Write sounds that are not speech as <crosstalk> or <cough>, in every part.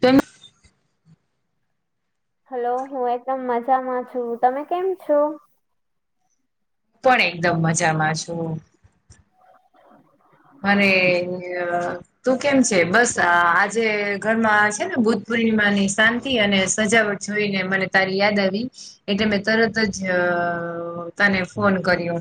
તે હલો હું એકદમ મજામાં છું તમે કેમ છો. પણ એકદમ મજામાં છુ. મારે તું કેમ છે બસ આજે ઘરમાં છેને, બુ્ પૂર્ણિમાની શાંતિ અને સજાવટ જોઈ ને મને તારી યાદ આવી એટલે મેં તરત જ તને ફોન કર્યો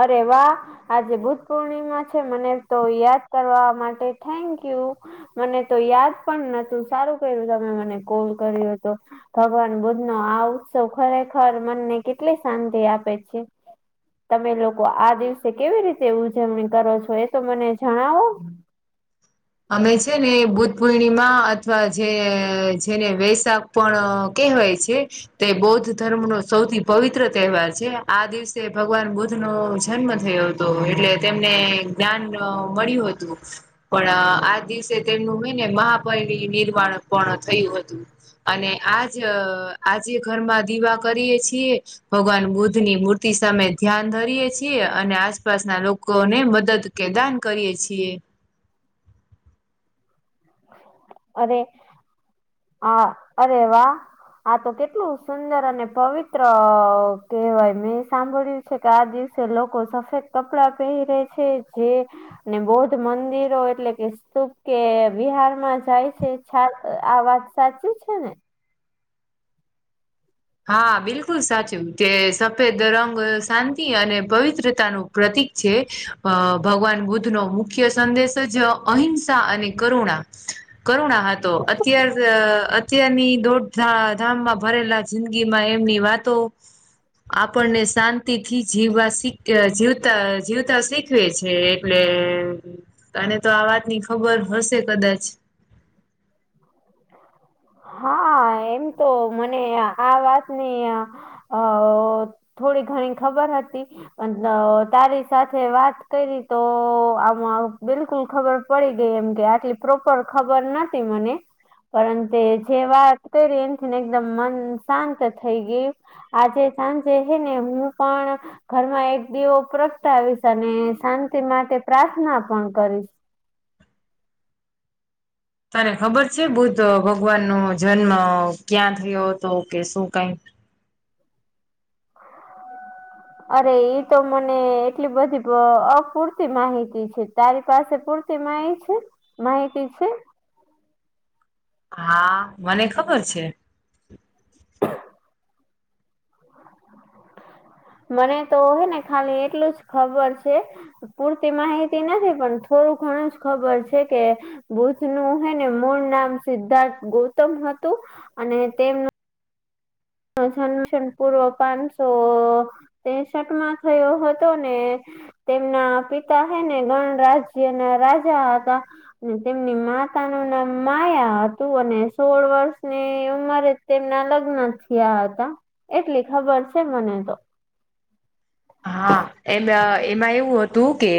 અરે વાહ આજે બુધ પૂર્ણિમા છે, મને તો યાદ કરવા માટે થેન્કયુ મને તો યાદ પણ નતું સારું કર્યું તમે મને કોલ કર્યો હતો. ભગવાન બુદ્ધ નો આ ઉત્સવ ખરેખર મનને કેટલી શાંતિ આપે છે. તમે લોકો આ દિવસે કેવી રીતે ઉજવણી કરો છો એ તો મને જણાવો અમે છે ને બુધ પૂર્ણિમા અથવા જે જેને વૈશાખ પણ કે હોય છે. તે બૌદ્ધ ધર્મ નો સૌથી પવિત્ર તહેવાર છે, આ દિવસે ભગવાન બુદ્ધ નો જન્મ થયો હતો. તો એટલે તેમને જ્ઞાન મળ્યું હતું પણ આ દિવસે તેમનું મહિને મહાપર નિર્વાણ પણ થયું હતું અને આજ આજે ઘરમાં દીવા કરીએ છીએ ભગવાન બુદ્ધ ની મૂર્તિ સામે ધ્યાન ધરીયે છીએ, અને આસપાસના લોકોને મદદ કે દાન કરીએ છીએ. અરે હ અવા આ તો કેટલું સુંદર અને પવિત્ર કેહેવાય મેં સાંભળ્યું કે આ દિવસે લોકો સફેદ કપડા પહેરીરે છે, જે ને બૌદ્ધ મંદિરો એટલે કે સ્તુપ કે બિહારમાં જાય છે છ આ વાત સાચી છે ને હા બિલકુલ સાચું તે સફેદ રંગ શાંતિ અને પવિત્રતાનું પ્રતિક છે અ ભગવાન બુદ્ધ નો મુખ્ય સંદેશ જ અહિંસા અને કરુણા કરુણા હતો અત્યાર અત્યારની દોઢ ધામમાં ભરેલા જિંદગી માં એમની વાતો આપણને શાંતિથી જીવવા શીખ જીવતા જીવતા શીખ છે એટલે તને તો આ વાતની ખબર હશે કદાચ હા એમ તો મને આ વાતની અ થોડી ઘણી ખબર હતી પણ તારી સાથે વાત કરી તો આમાં બિલકુલ ખબર પડી ગઈ એમ કે આટલી પ્રોપર ખબર નથી મને પરંતુ જે વાત કરી એમથી ને એકદમ મન શાંત થઈ ગયું આજે સાંજે હે ને હું પણ ઘરમાં એક દીવો પ્રગટાવીશ અને શાંતિ માટે પ્રાર્થના પણ કરીશ તને ખબર છે બુદ્ધ ભગવાન નો જન્મ ક્યાં થયો હતો કે શું કઈ હ અરે ઈ તો મને એટલી બધી અપૂરતી માહિતી છે તારી પાસે પૂરતી માહિત છે માહિતી છે હા મને ખબર છે મને તો હ ને ખાલી એટલું જ ખબર છે પૂરતી માહિતી નથી પણ થોડું ઘણું જ ખબર છે કે બુધ નું હેને મૂળ નામ સિદ્ધાર્થ ગૌતમ હતું અને તેમનું જન્મશન પૂર્વ પાંચસો તેસઠમાં થયો હતો ને તેમના પિતા હૈ ને ગણ રાજ્યના રાજા હતા અને તેમની માતા નું નામ માયા હતું અને સોળ વર્ષની ઉંમરે તેમના લગ્ન થયા હતા એટલી ખબર છે મને તો હા એ બ એમાં એવું હતું કે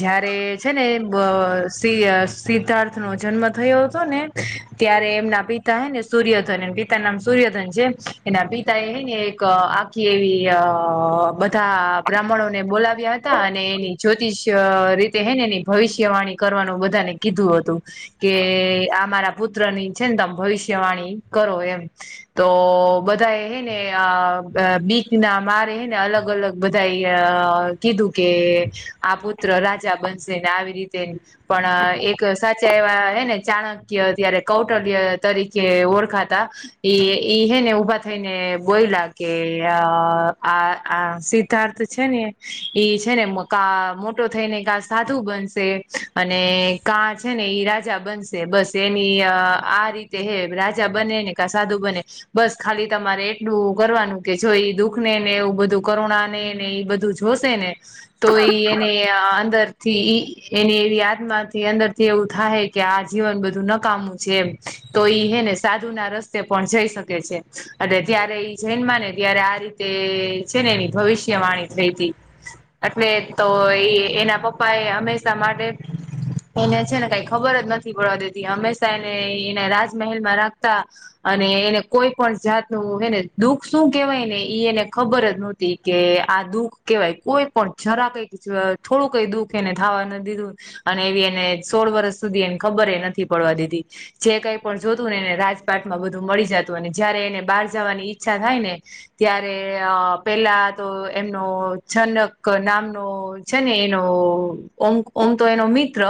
જયારે છે ને સ સિદ્ધાર્થ નો જન્મ થયો હતો ને ત્યારે એમના પિતા હે ને સૂર્યધન પિ નામ સૂર્યધન છે એના પિતા એ હ ને એક આખી એવી અ ા બ્રાહ્મણો ને બોલાવ્યા હતા અને એની જ્યોતિષ રીતે હેને એની ભવિષ્યવાણી કરવાનું બધાને કીધું હતું કે અમારા પુત્ર ની છે ને તમે ભવિષ્યવાણી કરો એમ તો બધા એ હે ને આ બીચ ના મારે હેને અલગ અલગ અલગ બધા કીધું કે આ પુત્ર રાજા બનશે ને આવી રીતે પણ એક સાચા એવા હે ને ચાણક્ય ત્યારે કૌટલ્ય તરીકે ઓળખાતા એ ઈ હે ને ઉભા થઈને બોયલા કે અ આ આ સિદ્ધાર્થ છે ને એઈ છે ને કા મોટો થઈ ને કા સાધું બનશે અને કા છે ને ઈ રાજા બનશે બસ એની આ રીતે હે રાજા બને ને સાધું બને બસ ખાલી તમારે એટલું કરવાનું કે જોઈ દુઃખ નેને એવું બધું કરુણા ને ને એ બધું જોશે ને તો ઈ એને અંદર થી એની એવી આત્માથી અંદર થી એવું થાય કે આ જીવન બધું નકામું છેમ તો ઈ હે ને સાધુ ના રસ્તે પણ જઈ શકે છે, એટલે ત્યારે ઈ જૈનમાં ને ત્યારે આ રીતે તે છે ને એની ભવિષ્યવાણી થઈ હતી એટલે તો એ એના પપ્પા એ હમેશા માટે એને છે ને કઈ ખબર જ નથી પડવા દેતી હંમેશા એને એને રાજમહેલ માં રાખતા અને એને કોઈ પણ જાતનું હને દુઃખ શું કેહેવાય ને ઈ એને ખબર જ નતી કે આ દુઃખ કેવાય કોઈ પણ જરા કઈક થોડું કઈ દુઃખ એને થાવા ન દીધું. અને એવી એને સોળ વર્ષ સુધી એને ખબર એ નથી પડવા દીધી. જે કઈ પણ જોતું ને એને રાજપાટમાં બધું મળી જતું અને જયારે એને બહાર જવાની ઈચ્છા થાય ને. ત્યારે અ. પેલા તો એમનો જનક નામનો છે ને એનો. ઓમ ઓમ તો એનો મિત્ર,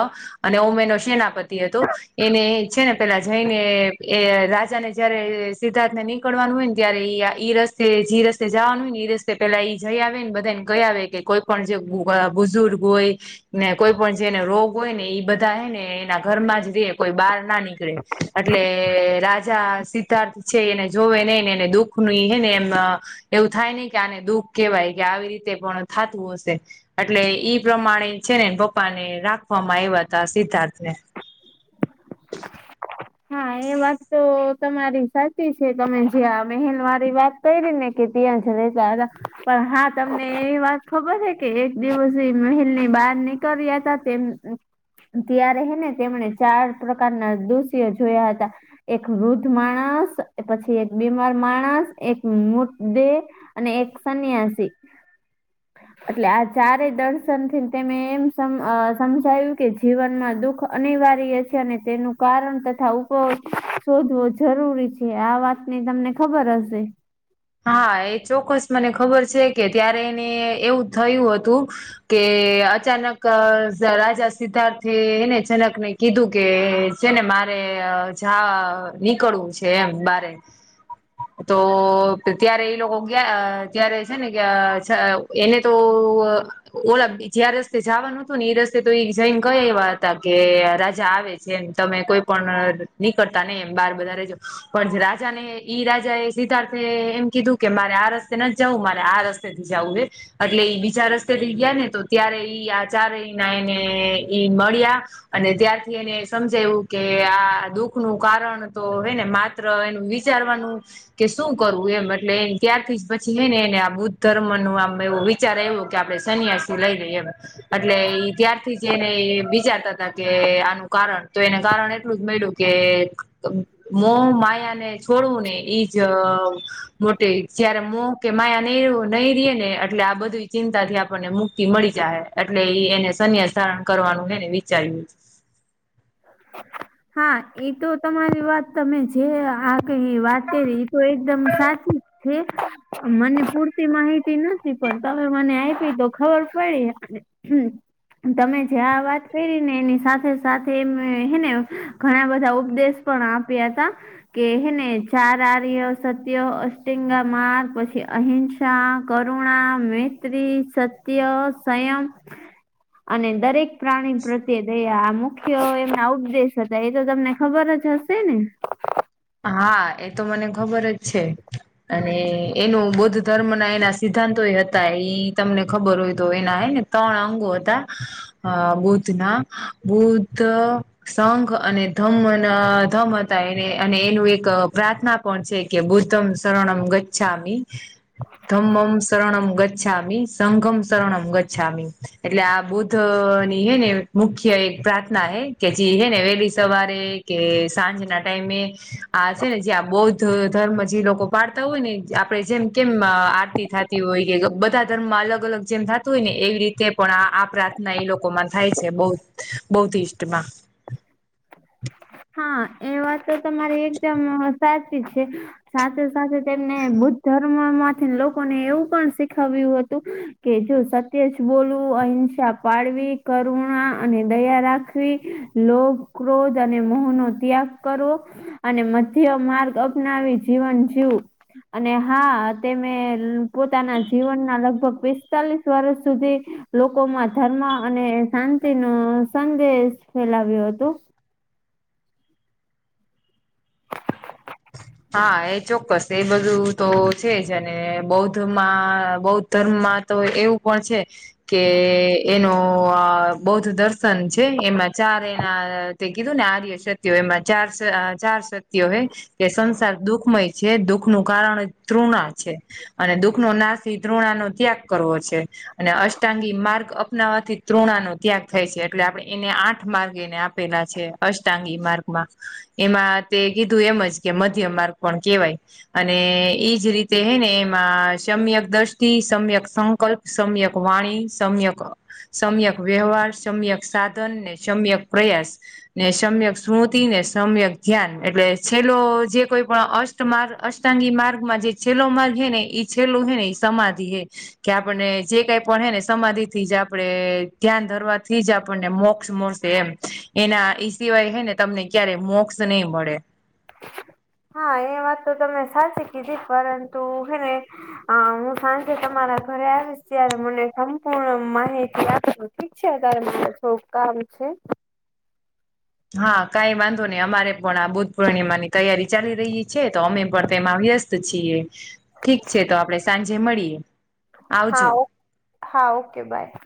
અને ઓમ એનો સેનાપતિ હતો. એને છે ને પેલા જઈને એ રાજા ને જયારે સિદ્ધાર્થ ને ની કરવાનું હોય ને ત્યારે ઈ રસ્તે જે રસ્તે જવાનું હોય રસ્તે પેલા ઈ જઈ આવે ને બધા ને ગયા આવે કે કોઈ પણ જે ગુ આ બુઝુર્ગ હોય ને કોઈ પણ જેને રોગ હોય ને એ બધા હ ને એના ઘરમાં જ રે કોઈ બહાર ના નીકળે. એટલે રાજા સિદ્ધાર્થ છે એને જોવે નહ ને એને દુઃખ નની હ ને એમના એવું થાય નહી કે આને દુઃખ કેવાય કે આવી રીતે પણ થતું હશે. એટલે ઈ પ્રમાણે છે ને પપ્પા ને રાખવામાં આવ્યા તા સિદ્ધાર્થ ને હા, એ વાત તો તમારી સાચી છે તમે જ્યાં બહેન મારી વાત કૈરી કે ત્યાં જ રેતા હતા પણ હા તમને એ વાત ખબર છે કે એ દિવસે મહેલ ની બહાર નીકળ્યા હતા તેમ ત્યારે હે ને તેમણે ચાર પ્રકારના દોષીઓ જોયા હતા. એક વૃદ્ધ માણસ પછી એક બીમાર માણસ એક મૃતદેહ અને એક સન્યાસી. એટલે આ ચારેય દર્શન થી તેને એમ સમ અહ સમજાવ્યું કે જીવનમાં દુઃખ અનિવાર્ય છે અને તેનું કારણ તથા ઉપયોગ શોધવો જરૂરી છે આ વાત ની તમને ખબર હશે હા, એ ચોક્કસ મને ખબર છે કે ત્યારે એને એવું થયું હતું કે અચાનક અહ રાજા સિદ્ધાર્થેને એને જનક ને કીધું કે છે ને મારે અહ જા નીકળવું છે એમ બારે. તો ત્યારે એ લોકો ઈ ગ્યા ત્યારે છે ને કે છ એને તો ઓલા જ્યાં રસ્તે જવાનું હતું ને એ રસ્તે તો એ જઈને કયા એવા હતા કે રાજા આવે જેમ તમે કોઈ પણ નીકળતા નહી એમ બાર બધા રજો પણ રાજા ને ઈ રાજા એ સિદ્ધાર્થે એમ કીધું કે મારે આ રસ્તે નથ જવું મારે આ રસ્તેથી જાવું હે. એટલે ઈ બીજા રસ્તે થઈ ગયા ને તો ત્યારે ઈ આ ચારેય નાય ને ઈ મળ્યા. અને ત્યારથી એને સમજાયું કે આ દુઃખ નું કારણ તો હે ને માત્ર એનું વિચારવાનું છે. કે શું કરવું એમ એટલે એ ત્યારથી પછી હે ને એને આ બુદ્ધ ધર્મ નું આમ એવું <unintelligible> ત્યારે એવું કે આપણે સન્યાસી લઈ લઈએ એમ. એટલે ઇ ત્યારથી જ એને વિચારતા હતા કે આનું કારણ તો એને કારણ એટલું જ મળ્યું. કે મોહ માયાને છોડવું ને ઈ જ મોટી જય્યારે મોહ કે માયા નહી નહી રે ને એટલે આ બધી ચિંતા થી આપણને મુક્તિ મળી જાહે. એટલે એ એને સંન્યાસ ધારણ કરવાનું એને વિચાર્યું. <unintelligible> હા એ તો તમારી વાત તમે જે આ કઈ વાત કરી એ તો એકદમ સાચી. હંમ મને પૂરતી માહિતી નથી પણ તમે મને આયપી તો ખબર પડી હમ તમે જે આ વાત કયરી ને એની સાથે સાથ તેમ હેને ઘણા બધા ઉપદેશ પણ આપ્યા હતા કે હે ને ચાર આર્ય સત્યો અસટિંગા માર પછી અહં <unintelligible> કરુણા મૈત્રી સત્ય સંયમ અને દરેક પ્રાણી પ્રત્યે દયા આ મુખ મુખ્ય એમના ઉપદેશ હતા એ તો તમને ખબર જ હશે ને. હા એ તો મને ખબર જ છે. અને એનું બૌદ્ધ ધર્મ ના એના સિદ્ધાંતો એ હતા ઈ તમને ખબર હોય તો એના હે ને. ત્રણ અંગો હતા અ બુધના બુધ્ધ સંઘ અને ધમ્મ ધમ હતા એને અને એનું એક પ્રાર્થના પણ છે કે બુદ્ધમ શરણમ ગછામી તંમમ શરણમ ગછામી સંઘમ શરણમ ગછામી એટલે આ બુદ્ધ ની હે ને મુખ્ય એક પ્રાર્થના હે કે જે હે ને વહેલી સવારે કે સાંજ ના ટાઈમે આ છે ને જે આ બૌદ્ધ ધર્મ જે લોકો પાડતા હોય ને આપડે જેમ કેમ આરતી થા હોય કે બધા ધર્મમાં અલગ અલગ જેમ થતું હોય ને એવી રીતે પણ આ આ પ્રાર્થના એ લોકોમાં થાય છે બઉ બૌધીસ્ટમાં હા એ વાત તો તમારી એકદમ સાચી છે સાથે સાથે છે ને બુદ્ધ ધર માંથી લોકોને એવું પણ શીખવ્યું હતું કે જો સત્ય જ બોલવું અહિંસા પાળવી કરુણા અને દયા રાખવી લોક ક્રોધ અને મોહ નો ત્યાગ કરવો અને મધ્ય માર્ગ અપનાવી જીવન જીવું અને હા તેમે પોતાના જીવનના લગભગ પિસ્તાલીસ વર્ષ સુધી લોકોમાં ધર્મા અને શાંતિ નો સંદેશ ફેલાવ્યો હતો હા એ ચોક્કસ એ બધું તો છે જ અને બૌદ્ધ માં બૌ ધર્મમાં તો એવું પણ છે કે એનો અ બૌદ્ધ દર્શન છે એમાં ચાર એના તે કીધું ને આર્ય સત્ય હોય એમાં સ ચાર સત્ય હોય કે સંસાર દુખમય છે દુઃખ નું કારણ તૃણા છે અને દુઃખનો નાશથી દ્રૃણા નો ત્યાગ કરવો છે અને અષ્ટાંગી માર્ગ અપનાવાથી ત્રણા નો ત્યાગ થાય છે એટલે આપણે એને આઠ માર્ગ એને આપ પેલા છે અષ્ટાંગી માર્ગમાં એમાં તે કીધું એમ જ કે મધ્ય માર્ગ પણ કેવાય અને ઈજ રીતે હૈ ને એમાં સમ્યક દ્રષ્ટિ સમ્યક સંકલ્પ સમ્યક વાણી સમ્યક સમ્યક વ્યવહાર સમ્યક સાધન ને સમ્યક પ્રયાસ ને સમ્યક સ્મૃતિ ને સમ્યક ધ્યાન એટલે છે લો જે કોઈ પણ અષ્ટ અષ્ટાંગી માર્ગમાં જે છેલ્લો માર્ગ હે ને ઇ છેલ્લું હે ને ઈ સમાધિ હૈ કે આપણને જે કઈ પણ હે ને સમાધિ થી જ આપડે ધ્યાન ધરવાથી જ આપણને મોક્ષ મળ તે એમ એના ઈ સિવાય હે ને તમને ક્યારે મોક્ષ નહી મળે હા એ વાત તો તમે સાચી કીધી પરંતુ હેને હા હું સાંજે તમારા ઘરે આવીશ ત્યારે મને સંપૂર્ણ માહિતી આપજો ઠીક છે તારે છો કામ છે હા કઈ વાંધો ની અમારે પણ આ બુદ્ધ પૂર્ણિમાની તૈયારી ચાલી રહી છે તો અમે પણ તેમાં વ્યસ છીએ ઠીક છે તો આપડે સાંજે મળીએ હા આવજો ઓ હા ઓકે બાય